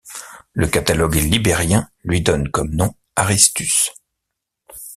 Le Catalogue libérien lui donne comme nom Aristus.